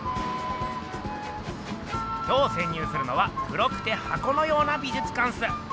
今日せん入するのは黒くて箱のような美術館っす。